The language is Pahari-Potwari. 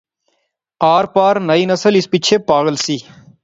آر پار نئی نسل اس پچھے پاغل سی